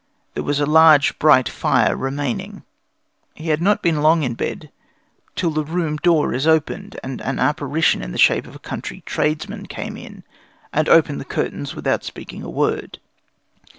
There was a large bright fire remaining. He had not been long in bed till the room door is opened and an apparition in shape of a country tradesman came in, and opened the curtains without speaking a word.